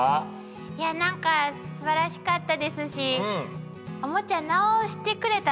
いやなんかすばらしかったですしおもちゃ直してくれた